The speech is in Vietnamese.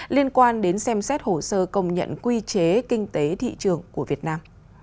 liên quan đến xem xét hồ sơ công nhận quy chế kinh tế thị trường của việt nam